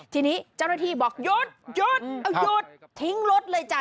ทีนี้เจ้าหน้าที่บอกหยุดหยุดเอาหยุดทิ้งรถเลยจ้ะ